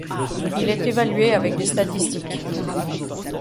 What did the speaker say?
Il est évalué avec des statistiques.